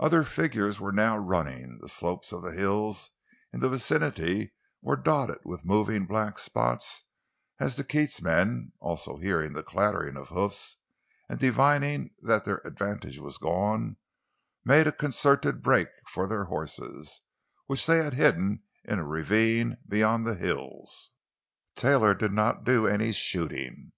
Other figures were now running; the slopes of the hills in the vicinity were dotted with moving black spots as the Keats men, also hearing the clattering of hoofs, and divining that their advantage was gone, made a concerted break for their horses, which they had hidden in a ravine beyond the hills. Taylor did not do any shooting.